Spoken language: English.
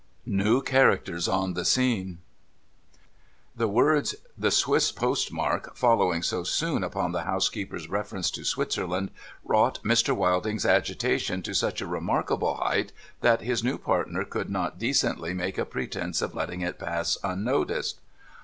NEW CHARACTERS ON THE SCENE The words, ' The Swiss Postmark,' following so soon upon the housekeeper's reference to Switzerland, wrought Mr. Wilding's agitation to such a remarkable height, that his new partner could not decently make a pretence of letting it pass unnoticed.